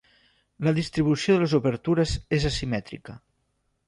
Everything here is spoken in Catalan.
La distribució de les obertures és asimètrica.